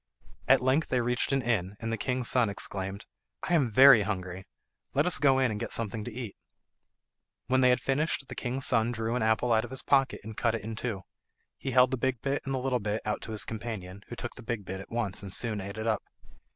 At length they reached an inn, and the king's son exclaimed, "I am very hungry; let us go in and get something to eat." When they had finished the king's son drew an apple out of his pocket and cut it in two; he held the big bit and the little bit out to his companion, who took the big bit at once and soon ate it up.